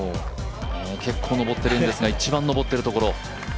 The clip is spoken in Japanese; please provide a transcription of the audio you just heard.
結構上っているんですが、一番上っているところ。